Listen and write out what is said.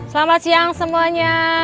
selamat siang semuanya